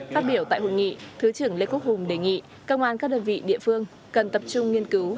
phát biểu tại hội nghị thứ trưởng lê quốc hùng đề nghị công an các đơn vị địa phương cần tập trung nghiên cứu